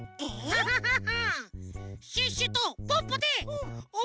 ハハハハ！